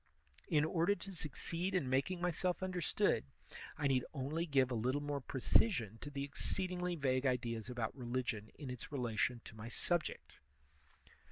In order to succeed in making myself understood, I need only give a little more precision to the exceedingly vague ideas about religion in its relation to my subject.